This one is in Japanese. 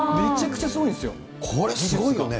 これすごいよね。